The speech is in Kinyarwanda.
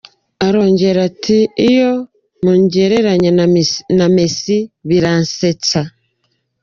Arongera ati :« iyo mungereranya na Messi biransetsa.